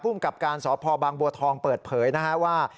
กับการสพบางบัวทองเปิดเผยนะฮะว่า